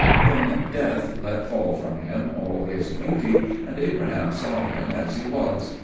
Then Death let fall from him all his beauty, and Abraham saw him as he was.